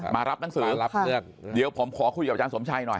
มารับหนังสือรับเลือกเดี๋ยวผมขอคุยกับอาจารย์สมชัยหน่อย